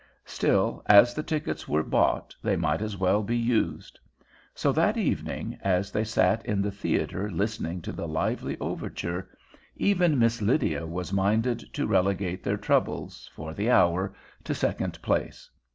Still, as the tickets were bought, they might as well be used. So that evening, as they sat in the theater listening to the lively overture, even Miss Lydia was minded to relegate their troubles, for the hour, to second place.